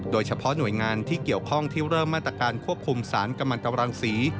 โดยเฉพาะหน่วยงานที่เกี่ยวข้องที่เริ่มมาตรการควบคุมสารกำลังตรังศรี